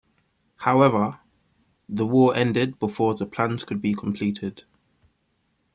However, the war ended before the plans could be completed.